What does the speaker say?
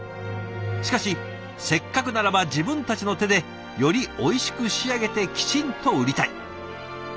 しかしせっかくならば自分たちの手でよりおいしく仕上げてきちんと売りたい。